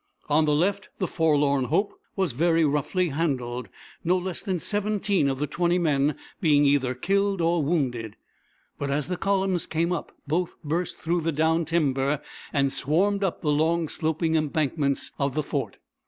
On the left, the forlorn hope was very roughly handled, no less than seventeen of the twenty men being either killed or wounded, but as the columns came up both burst through the down timber and swarmed up the long, sloping embankments of the fort.